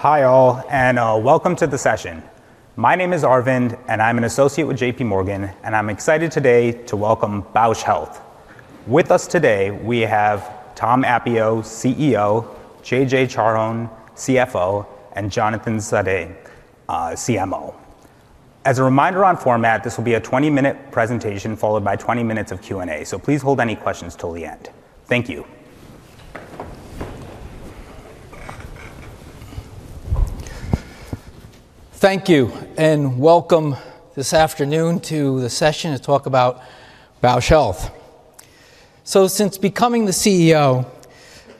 Hi all, and welcome to the session. My name is Arvind, and I'm an associate with J.P. Morgan, and I'm excited today to welcome Bausch Health. With us today, we have Tom Appio, CEO, J.J. Charhon, CFO, and Jonathan Sadeh, CMO. As a reminder on format, this will be a 20-minute presentation followed by 20 minutes of Q&A, so please hold any questions till the end. Thank you. Thank you, and welcome this afternoon to the session to talk about Bausch Health. Since becoming the CEO,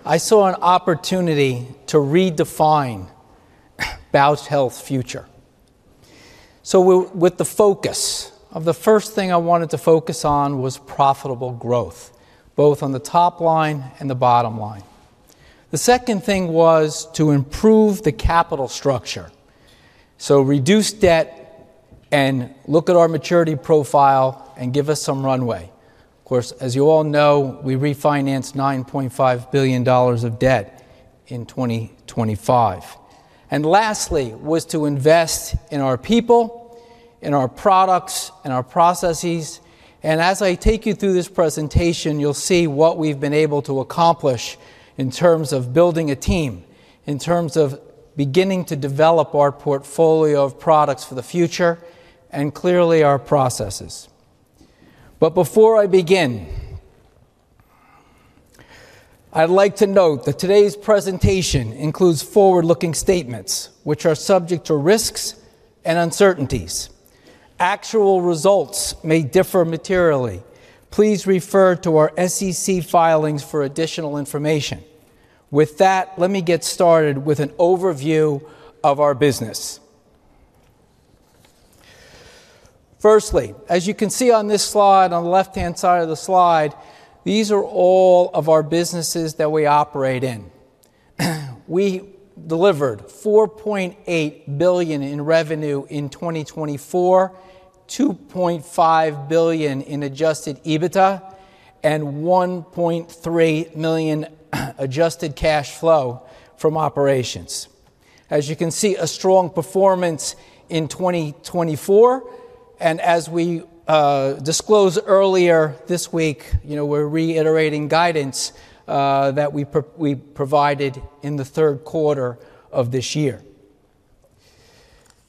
I saw an opportunity to redefine Bausch Health's future. With the focus, the first thing I wanted to focus on was profitable growth, both on the top line and the bottom line. The second thing was to improve the capital structure, so reduce debt and look at our maturity profile and give us some runway. Of course, as you all know, we refinanced $9.5 billion of debt in 2025. Lastly, it was to invest in our people, in our products, and our processes. As I take you through this presentation, you'll see what we've been able to accomplish in terms of building a team, in terms of beginning to develop our portfolio of products for the future, and clearly our processes. But before I begin, I'd like to note that today's presentation includes forward-looking statements, which are subject to risks and uncertainties. Actual results may differ materially. Please refer to our SEC filings for additional information. With that, let me get started with an overview of our business. Firstly, as you can see on this slide, on the left-hand side of the slide, these are all of our businesses that we operate in. We delivered $4.8 billion in revenue in 2024, $2.5 billion in Adjusted EBITDA, and $1.3 million Adjusted cash flow from operations. As you can see, a strong performance in 2024, and as we disclosed earlier this week, we're reiterating guidance that we provided in the third quarter of this year.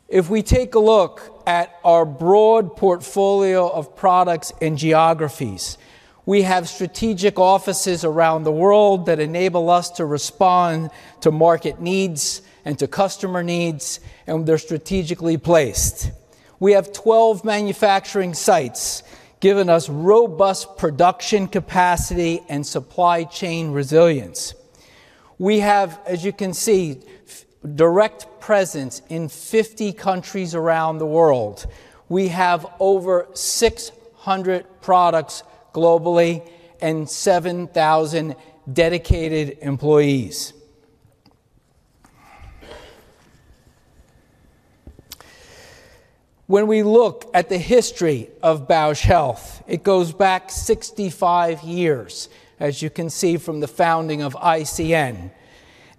If we take a look at our broad portfolio of products and geographies, we have strategic offices around the world that enable us to respond to market needs and to customer needs, and they're strategically placed. We have 12 manufacturing sites giving us robust production capacity and supply chain resilience. We have, as you can see, direct presence in 50 countries around the world. We have over 600 products globally and 7,000 dedicated employees. When we look at the history of Bausch Health, it goes back 65 years, as you can see from the founding of ICN.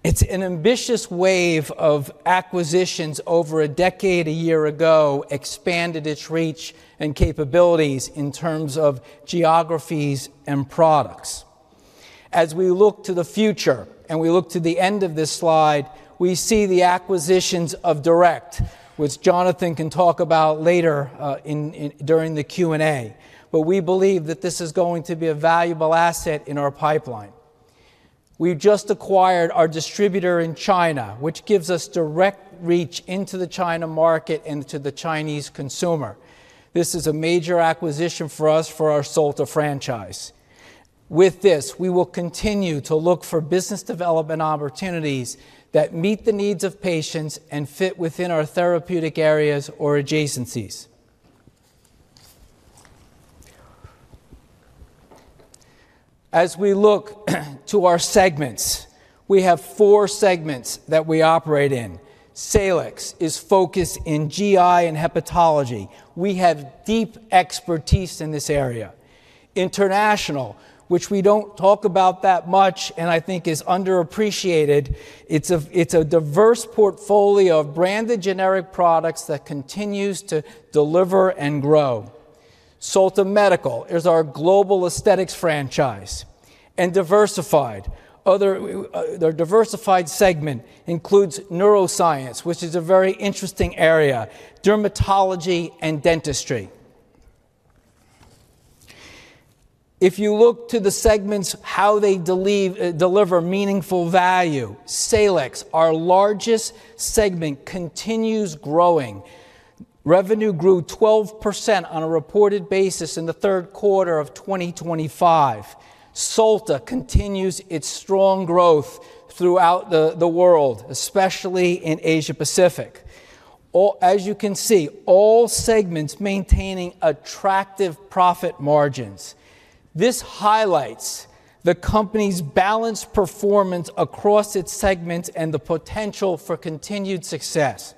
It's an ambitious wave of acquisitions over a decade a year ago, expanded its reach and capabilities in terms of geographies and products. As we look to the future, and we look to the end of this slide, we see the acquisitions of Durect, which Jonathan can talk about later during the Q&A, but we believe that this is going to be a valuable asset in our pipeline. We've just acquired our distributor in China, which gives us direct reach into the China market and to the Chinese consumer. This is a major acquisition for us for our Solta franchise. With this, we will continue to look for business development opportunities that meet the needs of patients and fit within our therapeutic areas or adjacencies. As we look to our segments, we have four segments that we operate in. Salix is focused in GI and hepatology. We have deep expertise in this area. International, which we don't talk about that much and I think is underappreciated, it's a diverse portfolio of branded generic products that continues to deliver and grow. Solta Medical is our global aesthetics franchise. And diversified, our diversified segment includes neuroscience, which is a very interesting area, dermatology and dentistry. If you look to the segments, how they deliver meaningful value, Salix, our largest segment, continues growing. Revenue grew 12% on a reported basis in the third quarter of 2025. Solta continues its strong growth throughout the world, especially in Asia-Pacific. As you can see, all segments maintaining attractive profit margins. This highlights the company's balanced performance across its segments and the potential for continued success.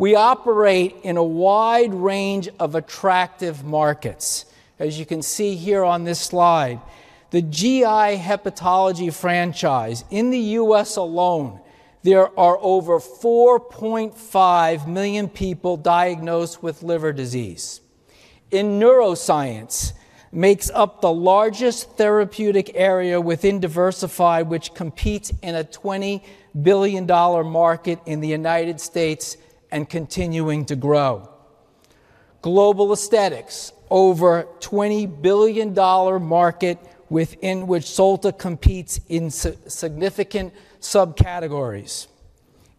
We operate in a wide range of attractive markets. As you can see here on this slide, the GI hepatology franchise, in the U.S. Alone, there are over 4.5 million people diagnosed with liver disease. In Neuroscience, it makes up the largest therapeutic area within diversified, which competes in a $20 billion market in the United States and continuing to grow. Global aesthetics, over $20 billion market within which Solta competes in significant subcategories.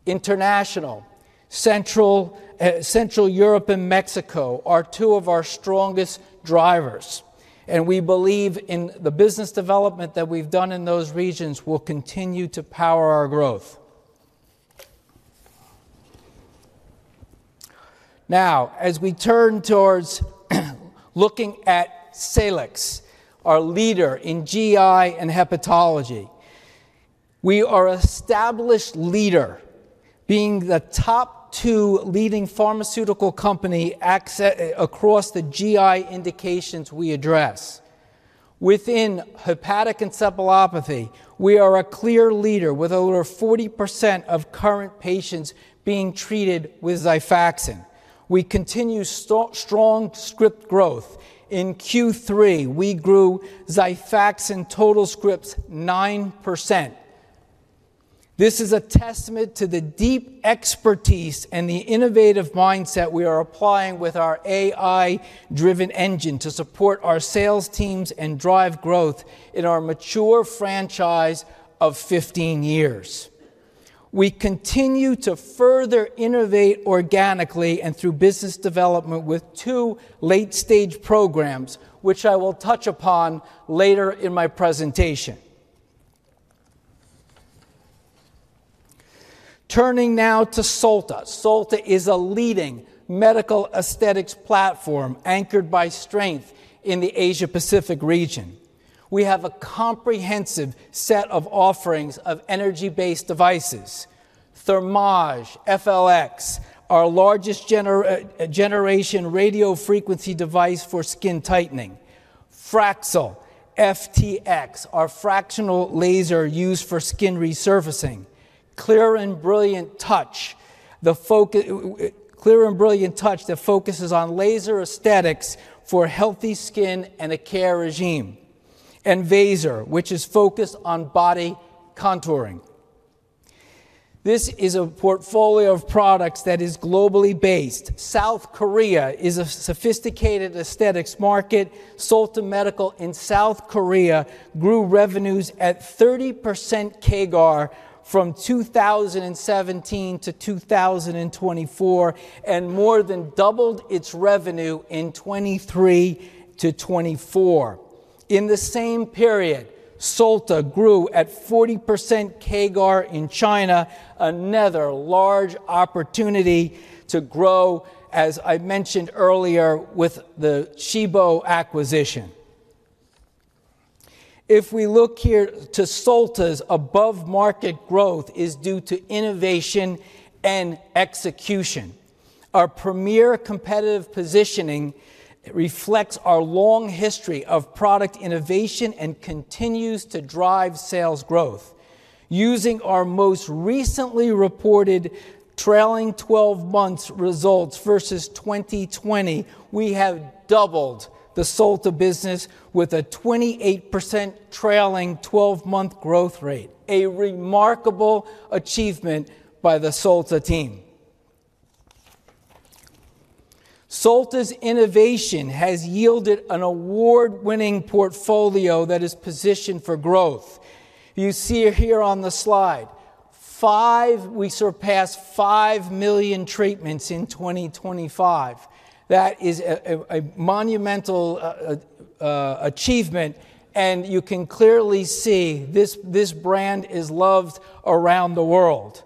International, Central Europe and Mexico are two of our strongest drivers, and we believe in the business development that we've done in those regions will continue to power our growth. Now, as we turn towards looking at Salix, our leader in GI and hepatology, we are an established leader, being the top two leading pharmaceutical companies across the GI indications we address. Within hepatic encephalopathy, we are a clear leader with over 40% of current patients being treated with Xifaxan. We continue strong script growth. In Q3, we grew Xifaxan total scripts 9%. This is a testament to the deep expertise and the innovative mindset we are applying with our AI-driven engine to support our sales teams and drive growth in our mature franchise of 15 years. We continue to further innovate organically and through business development with two late-stage programs, which I will touch upon later in my presentation. Turning now to Solta. Solta is a leading medical aesthetics platform anchored by strength in the Asia-Pacific region. We have a comprehensive set of offerings of energy-based devices: Thermage FLX, our latest generation radio frequency device for skin tightening. Fraxel, our fractional laser used for skin resurfacing. Clear + Brilliant Touch, the focus on laser aesthetics for healthy skin and a care regime. And Vaser, which is focused on body contouring. This is a portfolio of products that is globally based. South Korea is a sophisticated aesthetics market. Solta Medical in South Korea grew revenues at 30% CAGR from 2017 to 2024 and more than doubled its revenue in 2023 to 2024. In the same period, Solta grew at 40% CAGR in China, another large opportunity to grow, as I mentioned earlier, with the Shibo acquisition. If we look here to Solta's above-market growth is due to innovation and execution. Our premier competitive positioning reflects our long history of product innovation and continues to drive sales growth. Using our most recently reported trailing 12-month results versus 2020, we have doubled the Solta business with a 28% trailing 12-month growth rate, a remarkable achievement by the Solta team. Solta's innovation has yielded an award-winning portfolio that is positioned for growth. You see here on the slide, we surpassed 5 million treatments in 2025. That is a monumental achievement, and you can clearly see this brand is loved around the world.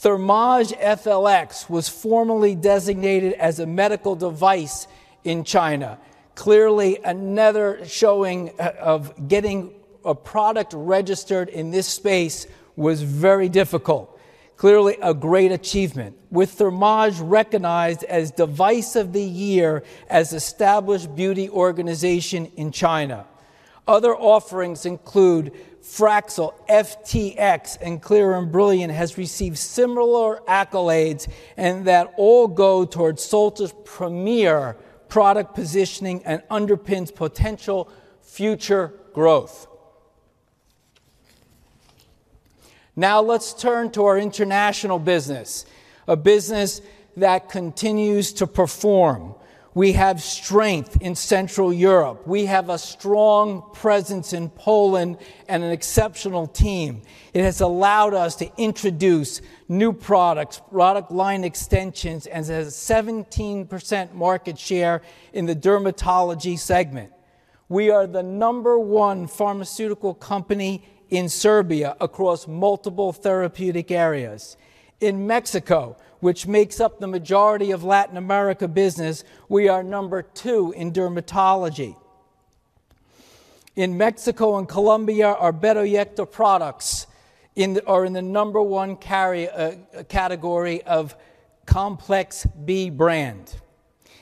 Thermage FLX was formally designated as a medical device in China. Clearly, another showing of getting a product registered in this space was very difficult. Clearly, a great achievement, with Thermage recognized as Device of the Year as an established beauty organization in China. Other offerings include Fraxel and Clear + Brilliant have received similar accolades, and that all go towards SOLTA's premier product positioning and underpins potential future growth. Now, let's turn to our international business, a business that continues to perform. We have strength in Central Europe. We have a strong presence in Poland and an exceptional team. It has allowed us to introduce new products, product line extensions, and a 17% market share in the dermatology segment. We are the number one pharmaceutical company in Serbia across multiple therapeutic areas. In Mexico, which makes up the majority of Latin America business, we are number two in dermatology. In Mexico and Colombia, our Bedoyecta products are in the number one category of Complex B brand.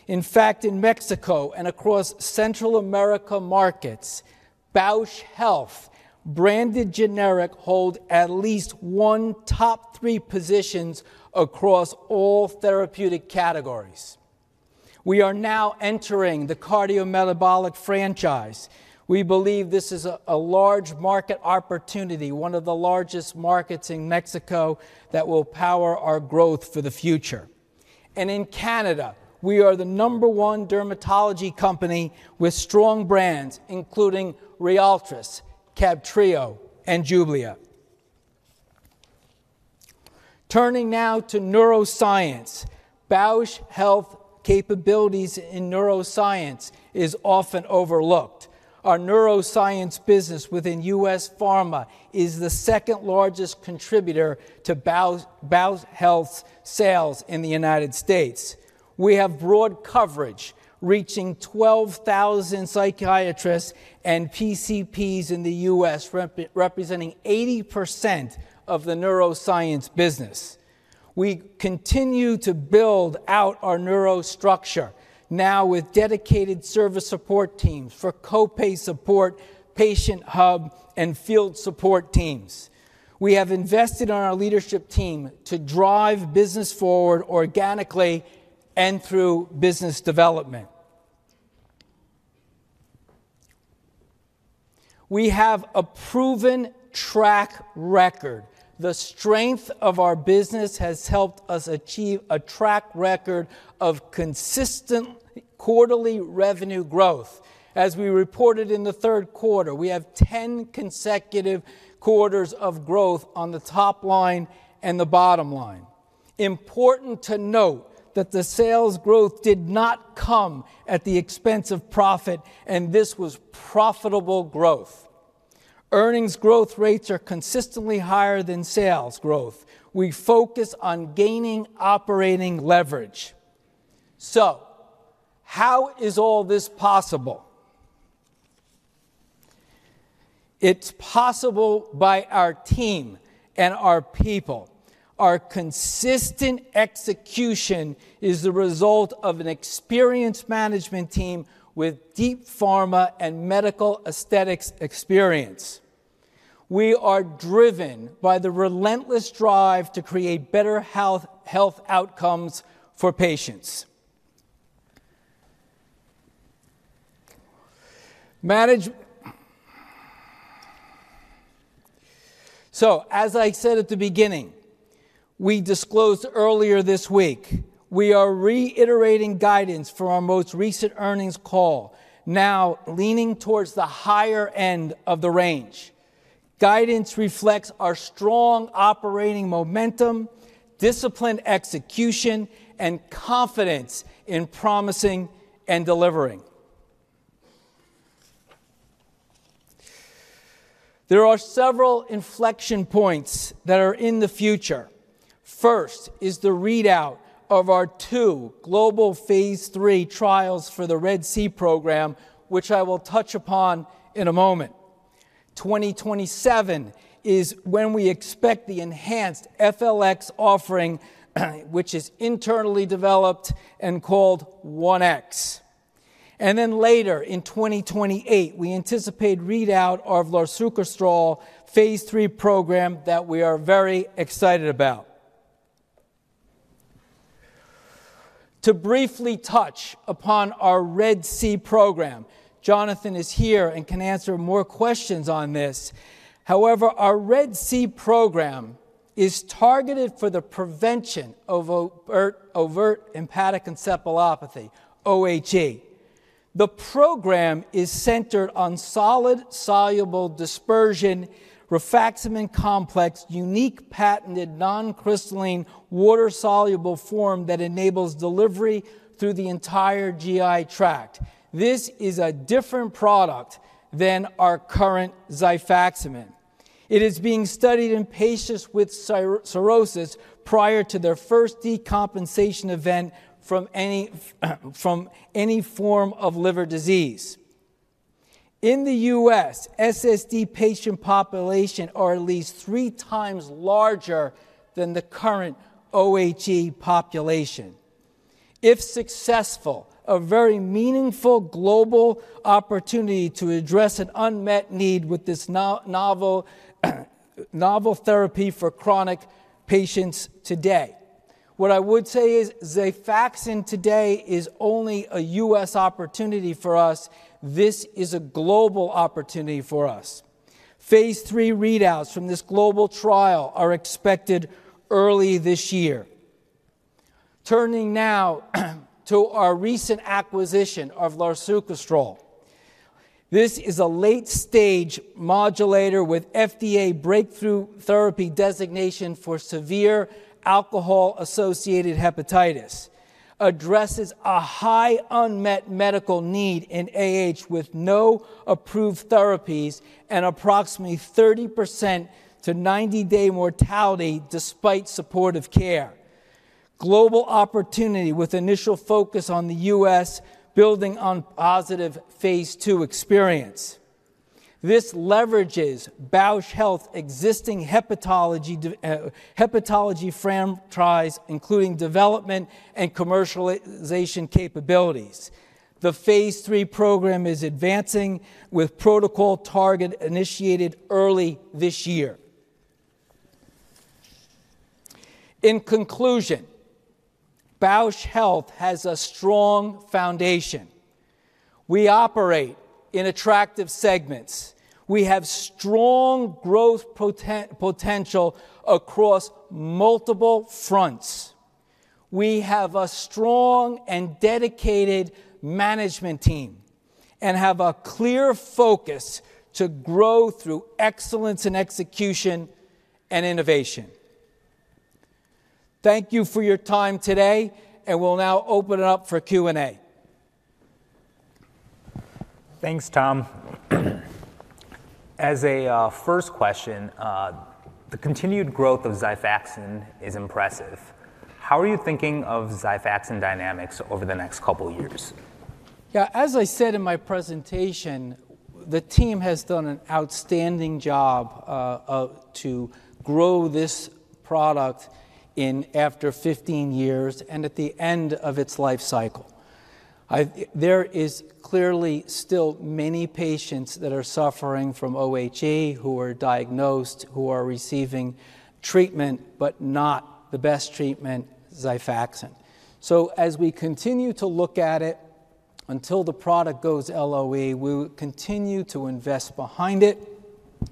In fact, in Mexico and across Central America markets, Bausch Health branded generic holds at least one top three positions across all therapeutic categories. We are now entering the cardiometabolic franchise. We believe this is a large market opportunity, one of the largest markets in Mexico that will power our growth for the future, and in Canada, we are the number one dermatology company with strong brands, including Rialtris, Cabtreo, and Jublia. Turning now to neuroscience, Bausch Health capabilities in neuroscience are often overlooked. Our neuroscience business within U.S. Pharma is the second largest contributor to Bausch Health's sales in the United States. We have broad coverage reaching 12,000 psychiatrists and PCPs in the U.S., representing 80% of the neuroscience business. We continue to build out our neuro structure, now with dedicated service support teams for copay support, patient hub, and field support teams. We have invested in our leadership team to drive business forward organically and through business development. We have a proven track record. The strength of our business has helped us achieve a track record of consistent quarterly revenue growth. As we reported in the third quarter, we have 10 consecutive quarters of growth on the top line and the bottom line. Important to note that the sales growth did not come at the expense of profit, and this was profitable growth. Earnings growth rates are consistently higher than sales growth. We focus on gaining operating leverage. So, how is all this possible? It's possible by our team and our people. Our consistent execution is the result of an experienced management team with deep pharma and medical aesthetics experience. We are driven by the relentless drive to create better health outcomes for patients. So, as I said at the beginning, we disclosed earlier this week. We are reiterating guidance for our most recent earnings call, now leaning towards the higher end of the range. Guidance reflects our strong operating momentum, disciplined execution, and confidence in promising and delivering. There are several inflection points that are in the future. First is the readout of our two global Phase III trials for the RED-C program, which I will touch upon in a moment. 2027 is when we expect the enhanced FLX offering, which is internally developed and called OneX. And then later in 2028, we anticipate readout of larsucosterol Phase III program that we are very excited about. To briefly touch upon our RED-C program, Jonathan is here and can answer more questions on this. However, our RED-C program is targeted for the prevention of overt hepatic encephalopathy, OHE. The program is centered on Solid Soluble Dispersion rifaximin complex, unique patented non-crystalline water-soluble form that enables delivery through the entire GI tract. This is a different product than our current Xifaxan. It is being studied in patients with cirrhosis prior to their first decompensation event from any form of liver disease. In the U.S., SSD patient population is at least three times larger than the current OHE population. If successful, a very meaningful global opportunity to address an unmet need with this novel therapy for chronic patients today. What I would say is Xifaxan today is only a U.S. opportunity for us. This is a global opportunity for us. Phase III readouts from this global trial are expected early this year. Turning now to our recent acquisition of larsucosterol. This is a late-stage modulator with FDA breakthrough therapy designation for severe alcohol-associated hepatitis. It addresses a high unmet medical need in with no approved therapies and approximately 30% to 90-day mortality despite supportive care. Global opportunity with initial focus on the U.S., building on positive Phase II experience. This leverages Bausch Health's existing hepatology franchise, including development and commercialization capabilities. The Phase III program is advancing with protocol target initiated early this year. In conclusion, Bausch Health has a strong foundation. We operate in attractive segments. We have strong growth potential across multiple fronts. We have a strong and dedicated management team and have a clear focus to grow through excellence in execution and innovation. Thank you for your time today, and we'll now open it up for Q&A. Thanks, Tom. As a first question, the continued growth of Xifaxan is impressive. How are you thinking of Xifaxan dynamics over the next couple of years? Yeah, as I said in my presentation, the team has done an outstanding job to grow this product after 15 years and at the end of its life cycle. There are clearly still many patients that are suffering from OHE who are diagnosed, who are receiving treatment, but not the best treatment, Xifaxan. So, as we continue to look at it until the product goes LOE, we will continue to invest behind it.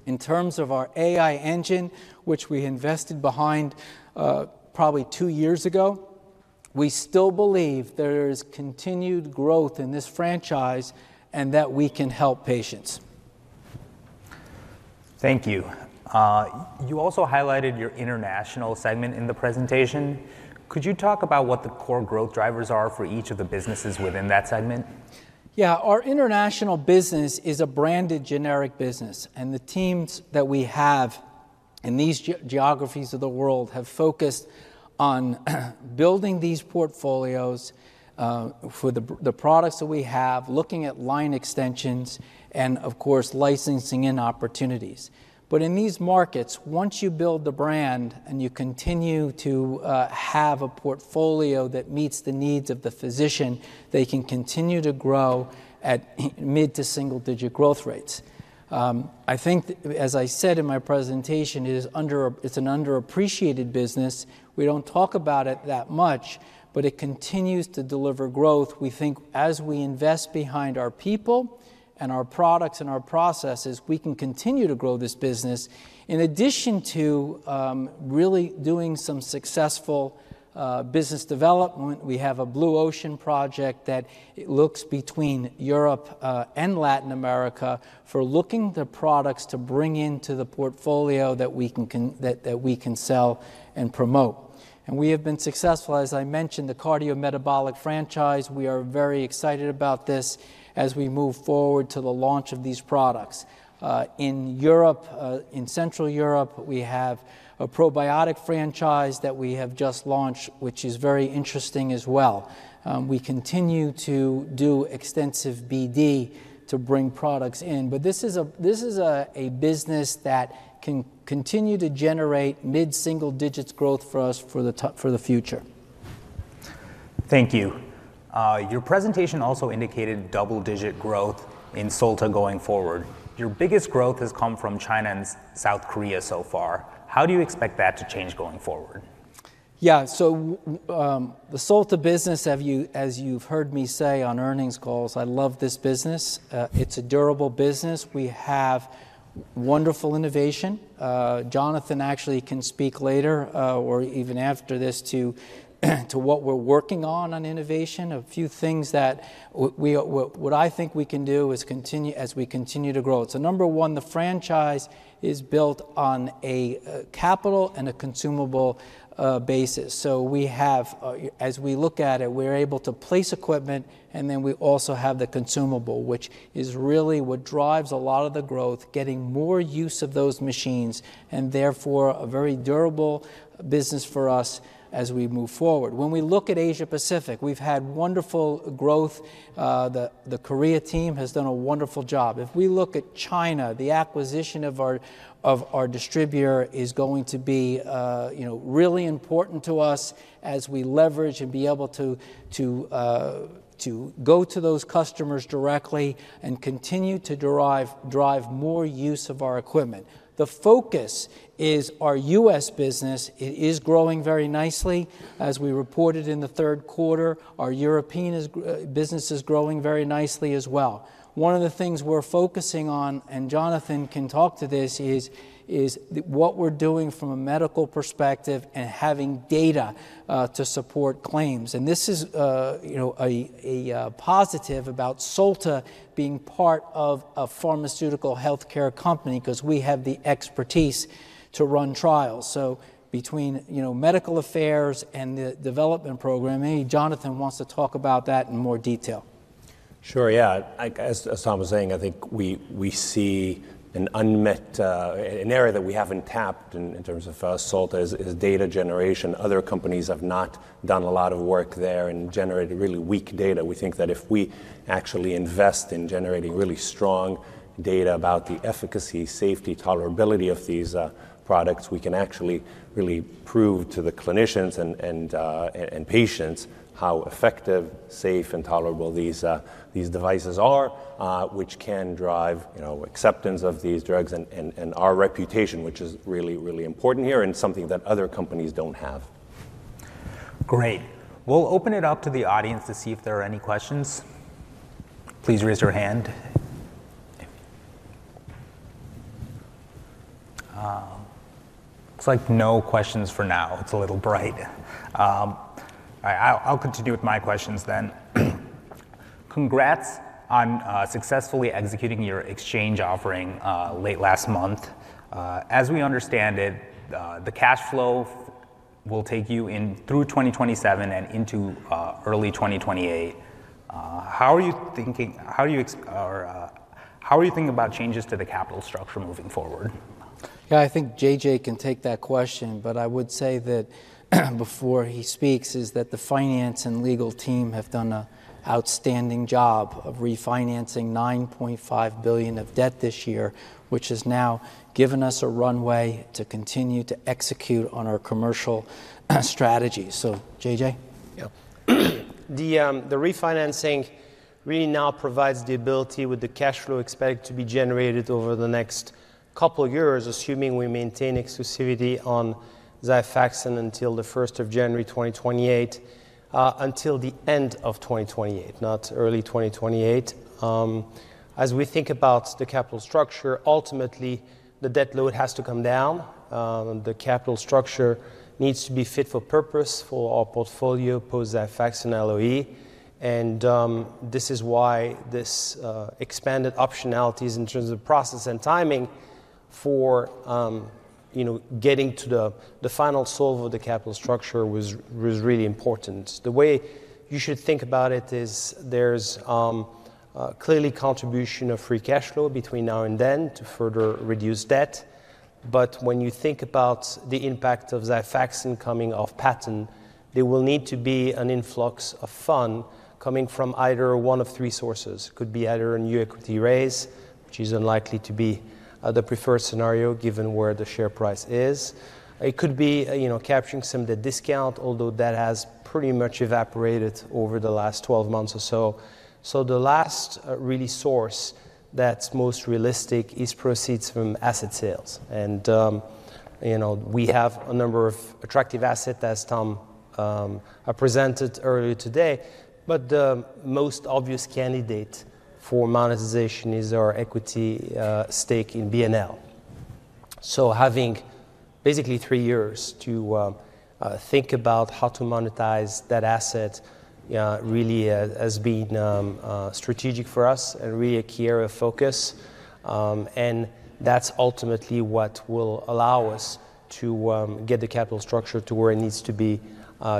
In terms of our AI engine, which we invested behind probably two years ago, we still believe there is continued growth in this franchise and that we can help patients. Thank you. You also highlighted your international segment in the presentation. Could you talk about what the core growth drivers are for each of the businesses within that segment? Yeah, our international business is a branded generic business, and the teams that we have in these geographies of the world have focused on building these portfolios for the products that we have, looking at line extensions and, of course, licensing and opportunities. But in these markets, once you build the brand and you continue to have a portfolio that meets the needs of the physician, they can continue to grow at mid- to single-digit growth rates. I think, as I said in my presentation, it's an underappreciated business. We don't talk about it that much, but it continues to deliver growth. We think as we invest behind our people and our products and our processes, we can continue to grow this business. In addition to really doing some successful business development, we have a Blue Ocean project that looks between Europe and Latin America for looking at the products to bring into the portfolio that we can sell and promote, and we have been successful, as I mentioned, the cardiometabolic franchise. We are very excited about this as we move forward to the launch of these products. In Europe, in Central Europe, we have a probiotic franchise that we have just launched, which is very interesting as well. We continue to do extensive BD to bring products in, but this is a business that can continue to generate mid-single-digit growth for us for the future. Thank you. Your presentation also indicated double-digit growth in Solta going forward. Your biggest growth has come from China and South Korea so far. How do you expect that to change going forward? Yeah, so the Solta business, as you've heard me say on earnings calls, I love this business. It's a durable business. We have wonderful innovation. Jonathan actually can speak later or even after this to what we're working on in innovation. A few things that what I think we can do as we continue to grow. So number one, the franchise is built on a capital and a consumable basis. So we have, as we look at it, we're able to place equipment, and then we also have the consumable, which is really what drives a lot of the growth, getting more use of those machines and therefore a very durable business for us as we move forward. When we look at Asia-Pacific, we've had wonderful growth. The Korea team has done a wonderful job. If we look at China, the acquisition of our distributor is going to be really important to us as we leverage and be able to go to those customers directly and continue to drive more use of our equipment. The focus is our U.S. business. It is growing very nicely. As we reported in the third quarter, our European business is growing very nicely as well. One of the things we're focusing on, and Jonathan can talk to this, is what we're doing from a medical perspective and having data to support claims, and this is a positive about Solta being part of a pharmaceutical healthcare company because we have the expertise to run trials, so between medical affairs and the development program, maybe Jonathan wants to talk about that in more detail. Sure, yeah. As Tom was saying, I think we see an area that we haven't tapped in terms of Solta is data generation. Other companies have not done a lot of work there and generated really weak data. We think that if we actually invest in generating really strong data about the efficacy, safety, tolerability of these products, we can actually really prove to the clinicians and patients how effective, safe, and tolerable these devices are, which can drive acceptance of these drugs and our reputation, which is really, really important here and something that other companies don't have. Great. We'll open it up to the audience to see if there are any questions. Please raise your hand. Looks like no questions for now. It's a little bright. All right, I'll continue with my questions then. Congrats on successfully executing your exchange offering late last month. As we understand it, the cash flow will take you through 2027 and into early 2028. How are you thinking about changes to the capital structure moving forward? Yeah, I think JJ can take that question, but I would say that before he speaks is that the finance and legal team have done an outstanding job of refinancing $9.5 billion of debt this year, which has now given us a runway to continue to execute on our commercial strategy. So, JJ? Yeah. The refinancing really now provides the ability with the cash flow expected to be generated over the next couple of years, assuming we maintain exclusivity on Xifaxan until the 1st of January 2028, until the end of 2028, not early 2028. As we think about the capital structure, ultimately the debt load has to come down. The capital structure needs to be fit for purpose for our portfolio post-Xifaxan LOE, and this is why this expanded optionalities in terms of process and timing for getting to the final solve of the capital structure was really important. The way you should think about it is there's clearly contribution of free cash flow between now and then to further reduce debt, but when you think about the impact of Xifaxan coming off patent, there will need to be an influx of funds coming from either one of three sources. It could be either a new equity raise, which is unlikely to be the preferred scenario given where the share price is. It could be capturing some of the discount, although that has pretty much evaporated over the last 12 months or so, so the last really source that's most realistic is proceeds from asset sales. We have a number of attractive assets as Tom presented earlier today, but the most obvious candidate for monetization is our equity stake in BNL. Having basically three years to think about how to monetize that asset really has been strategic for us and really a key area of focus. That's ultimately what will allow us to get the capital structure to where it needs to be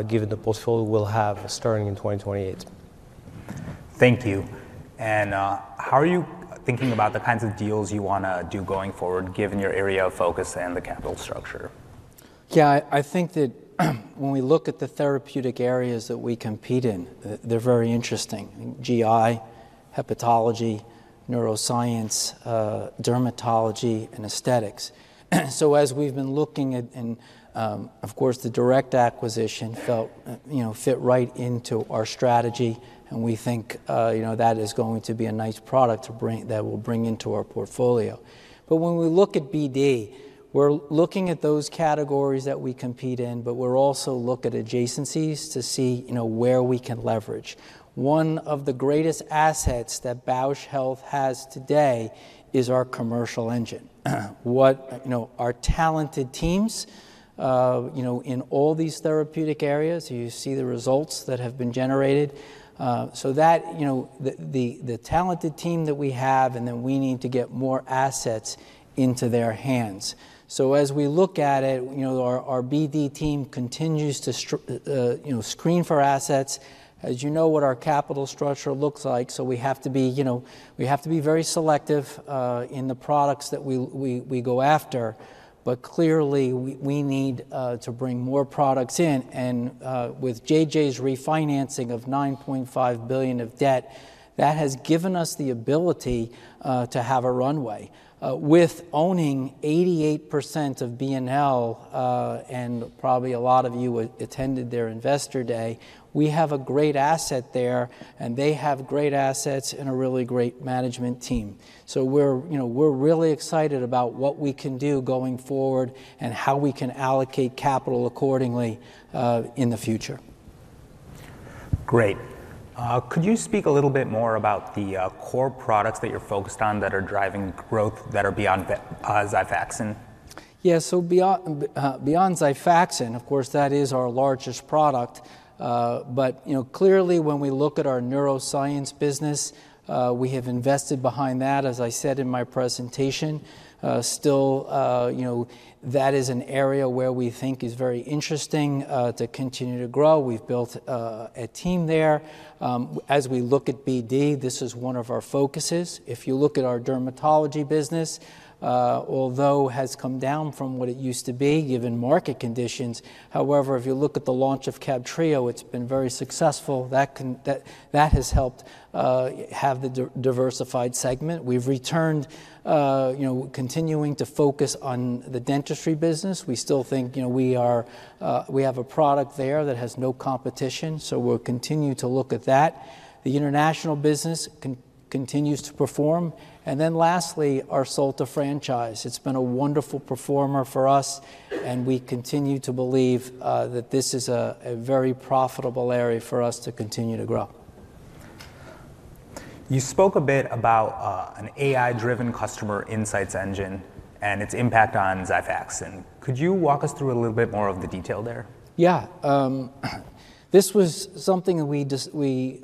given the portfolio we'll have starting in 2028. Thank you. How are you thinking about the kinds of deals you want to do going forward given your area of focus and the capital structure? Yeah, I think that when we look at the therapeutic areas that we compete in, they're very interesting. GI, hepatology, neuroscience, dermatology, and aesthetics. As we've been looking at, and of course the direct acquisition fit right into our strategy, and we think that is going to be a nice product that we'll bring into our portfolio. But when we look at BD, we're looking at those categories that we compete in, but we're also looking at adjacencies to see where we can leverage. One of the greatest assets that Bausch Health has today is our commercial engine. Our talented teams in all these therapeutic areas, you see the results that have been generated. So the talented team that we have, and then we need to get more assets into their hands. So as we look at it, our BD team continues to screen for assets. As you know what our capital structure looks like, so we have to be very selective in the products that we go after. But clearly we need to bring more products in. And with J.J.'s refinancing of $9.5 billion of debt, that has given us the ability to have a runway. With owning 88% of BNL, and probably a lot of you attended their investor day, we have a great asset there, and they have great assets and a really great management team. So we're really excited about what we can do going forward and how we can allocate capital accordingly in the future. Great. Could you speak a little bit more about the core products that you're focused on that are driving growth that are beyond Xifaxan? Yeah, so beyond Xifaxan, of course, that is our largest product. But clearly when we look at our neuroscience business, we have invested behind that, as I said in my presentation. Still, that is an area where we think is very interesting to continue to grow. We've built a team there. As we look at BD, this is one of our focuses. If you look at our dermatology business, although it has come down from what it used to be given market conditions, however, if you look at the launch of Cabtreo, it's been very successful. That has helped have the diversified segment. We've returned continuing to focus on the dentistry business. We still think we have a product there that has no competition, so we'll continue to look at that. The international business continues to perform. And then lastly, our Solta franchise. It's been a wonderful performer for us, and we continue to believe that this is a very profitable area for us to continue to grow. You spoke a bit about an AI-driven customer insights engine and its impact on Xifaxan. Could you walk us through a little bit more of the detail there? Yeah. This was something that we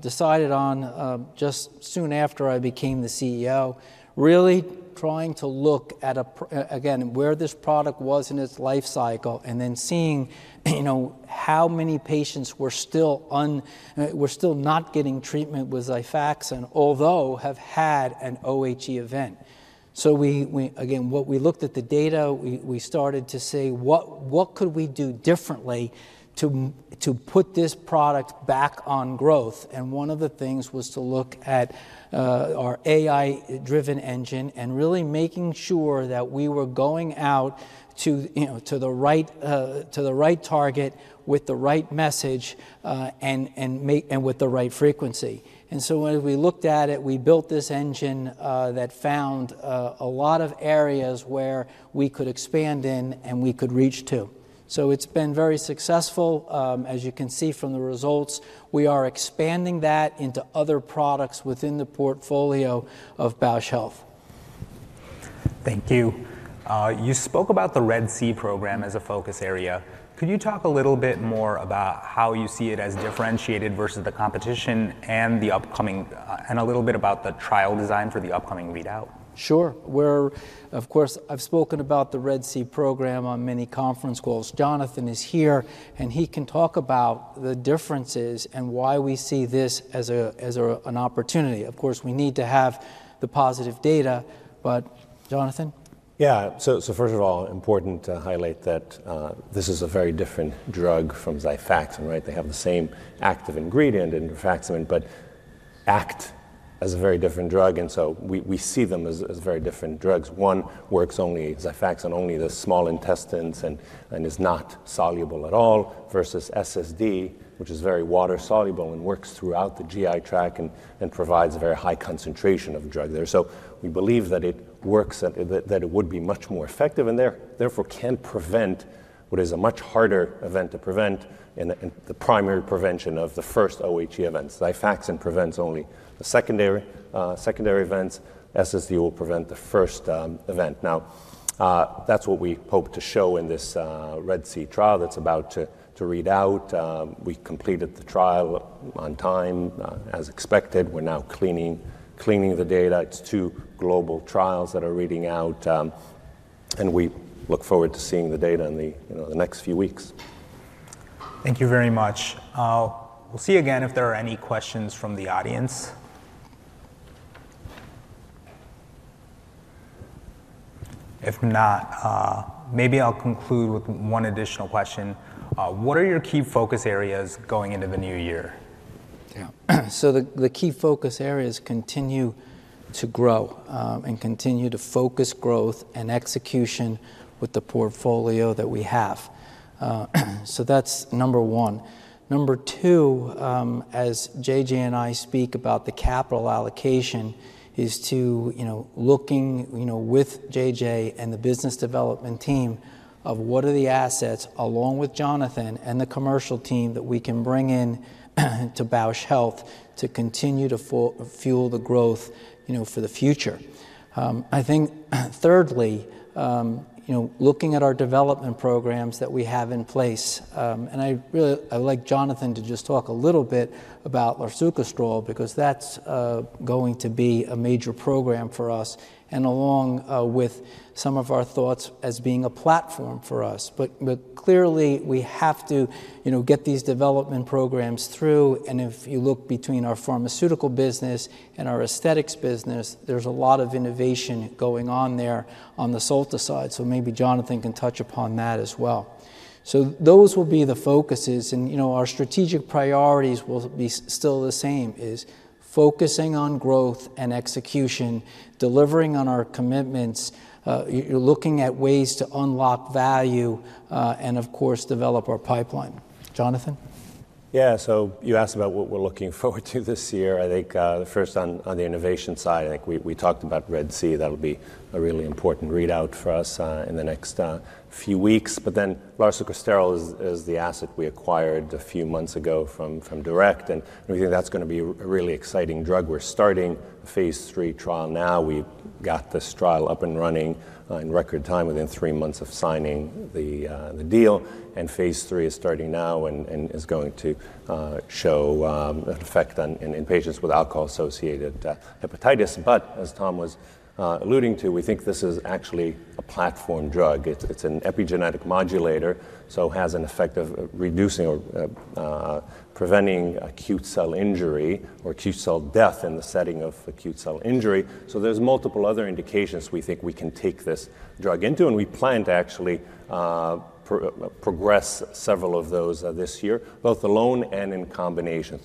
decided on just soon after I became the CEO, really trying to look at, again, where this product was in its life cycle and then seeing how many patients were still not getting treatment with Xifaxan, although have had an OHE event. So again, what we looked at the data, we started to say, what could we do differently to put this product back on growth, and one of the things was to look at our AI-driven engine and really making sure that we were going out to the right target with the right message and with the right frequency. And so when we looked at it, we built this engine that found a lot of areas where we could expand in and we could reach to. So it's been very successful, as you can see from the results. We are expanding that into other products within the portfolio of Bausch Health. Thank you. You spoke about the RED-C program as a focus area. Could you talk a little bit more about how you see it as differentiated versus the competition and a little bit about the trial design for the upcoming readout? Sure. Of course, I've spoken about the RED-C program on many conference calls. Jonathan is here, and he can talk about the differences and why we see this as an opportunity. Of course, we need to have the positive data, but Jonathan? Yeah. So first of all, important to highlight that this is a very different drug from Xifaxan, right? They have the same active ingredient in Xifaxan, but act as a very different drug. And so we see them as very different drugs. One works only Xifaxan, only the small intestines, and is not soluble at all versus SSD, which is very water soluble and works throughout the GI tract and provides a very high concentration of drug there. So we believe that it works, that it would be much more effective and therefore can prevent what is a much harder event to prevent in the primary prevention of the first OHE events. Xifaxan prevents only the secondary events. SSD will prevent the first event. Now, that's what we hope to show in this RED-C trial that's about to read out. We completed the trial on time as expected. We're now cleaning the data. It's two global trials that are reading out, and we look forward to seeing the data in the next few weeks. Thank you very much. We'll see you again if there are any questions from the audience. If not, maybe I'll conclude with one additional question. What are your key focus areas going into the new year? Yeah. So the key focus areas continue to grow and continue to focus growth and execution with the portfolio that we have. So that's number one. Number two, as JJ and I speak about the capital allocation, is to looking with JJ and the business development team of what are the assets along with Jonathan and the commercial team that we can bring in to Bausch Health to continue to fuel the growth for the future. I think thirdly, looking at our development programs that we have in place, and I'd like Jonathan to just talk a little bit about Larsucosterol because that's going to be a major program for us and along with some of our thoughts as being a platform for us. But clearly we have to get these development programs through. And if you look between our pharmaceutical business and our aesthetics business, there's a lot of innovation going on there on the SOLTA side. So maybe Jonathan can touch upon that as well. So those will be the focuses. And our strategic priorities will be still the same: focusing on growth and execution, delivering on our commitments, looking at ways to unlock value, and of course develop our pipeline. Jonathan? Yeah. So you asked about what we're looking forward to this year. I think first on the innovation side, I think we talked about RED-C. That'll be a really important readout for us in the next few weeks. But then larsucosterol is the asset we acquired a few months ago from Durect. And we think that's going to be a really exciting drug. We're starting a Phase III trial now. We got this trial up and running in record time within three months of signing the deal. And Phase III is starting now and is going to show an effect in patients with alcohol-associated hepatitis. But as Tom was alluding to, we think this is actually a platform drug. It's an epigenetic modulator, so it has an effect of reducing or preventing acute cell injury or acute cell death in the setting of acute cell injury. So there's multiple other indications we think we can take this drug into. And we plan to actually progress several of those this year, both alone and in combination.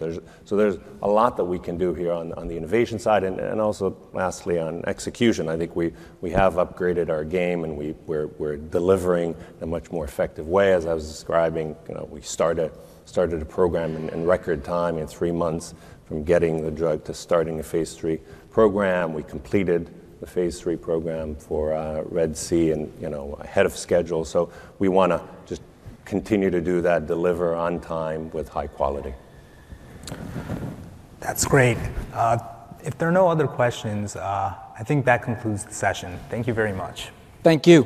So there's a lot that we can do here on the innovation side. And also lastly on execution, I think we have upgraded our game and we're delivering in a much more effective way. As I was describing, we started a program in record time in three months from getting the drug to starting a Phase III program. We completed the Phase III program for RED-C and ahead of schedule. So we want to just continue to do that, deliver on time with high quality. That's great. If there are no other questions, I think that concludes the session. Thank you very much. Thank you.